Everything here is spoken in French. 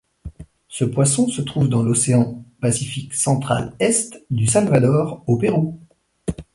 Ce poisson se trouve dans l'Océan Pacifique Central Est du Salvador au Pérou.